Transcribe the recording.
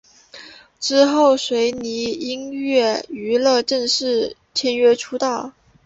之后与索尼音乐娱乐正式签约出道。